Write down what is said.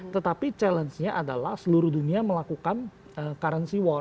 tetapi challenge nya adalah seluruh dunia melakukan currency war